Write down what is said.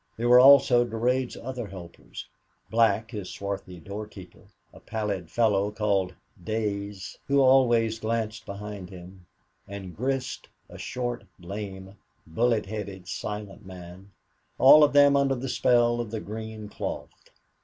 There were also Durade's other helpers Black, his swarthy doorkeeper, a pallid fellow called Dayss, who always glanced behind him, and Grist, a short, lame, bullet headed, silent man all of them under the spell of the green cloth.